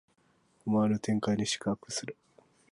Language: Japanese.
思わぬ展開に四苦八苦する